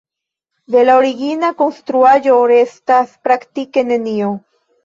De la origina konstruaĵo restas praktike nenio.